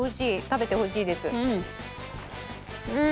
食べてほしいです。